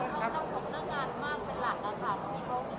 พี่คิดว่าเข้างานทุกครั้งอยู่หรือเปล่า